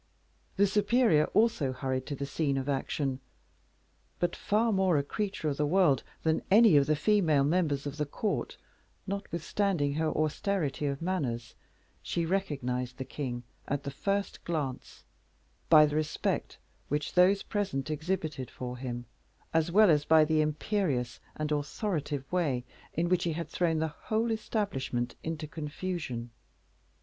The superior also hurried to the scene of action, but far more a creature of the world than any of the female members of the court, notwithstanding her austerity of manners, she recognized the king at the first glance, by the respect which those present exhibited for him, as well as by the imperious and authoritative way in which he had thrown the whole establishment into confusion.